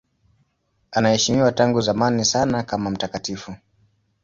Anaheshimiwa tangu zamani sana kama mtakatifu.